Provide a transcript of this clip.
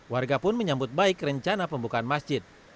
warga pun menyambut baik rencana pembukaan masjid